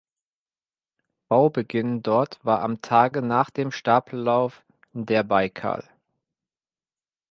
Baubeginn dort war am Tage nach dem Stapellauf der "Baikal".